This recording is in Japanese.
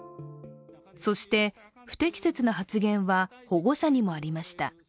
そして、不適切な発言は保護者にもありました。